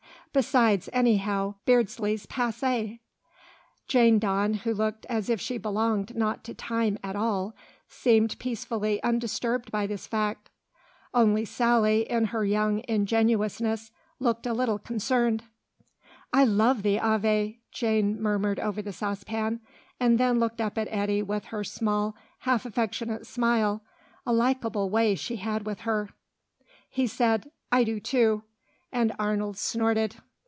Besides, anyhow Beardsley's passé." Jane Dawn, who looked as if she belonged not to time at all, seemed peacefully undisturbed by this fact. Only Sally, in her young ingenuousness, looked a little concerned. "I love the Ave," Jane murmured over the saucepan, and then looked up at Eddy with her small, half affectionate smile a likeable way she had with her. He said, "I do too," and Arnold snorted.